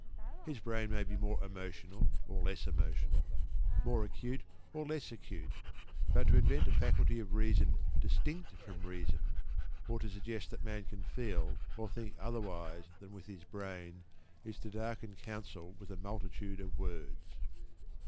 His brain may be more emotional or less emotional, more acute or less acute; but to invent a faculty of reason distinct from reason, or to suggest that man can feel or think otherwise than with his brain, is to darken counsel with a multitude of words.